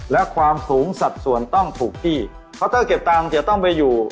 และความสูงสัดส่วนต้องถูกที่เพราะถ้าเก็บตังค์จะต้องไปอยู่